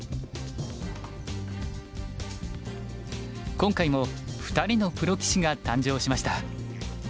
今回も２人のプロ棋士が誕生しました。